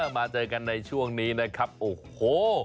มาเจอกันในช่วงนี้นะครับโอ้โห